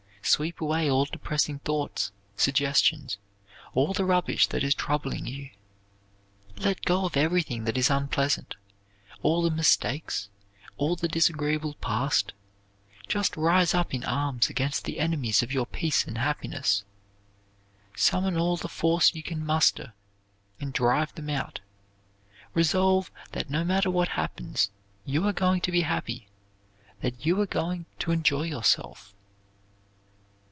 Sweep away all depressing thoughts, suggestions, all the rubbish that is troubling you. Let go of everything that is unpleasant; all the mistakes, all the disagreeable past; just rise up in arms against the enemies of your peace and happiness; summon all the force you can muster and drive them out. Resolve that no matter what happens you are going to be happy; that you are going to enjoy yourself.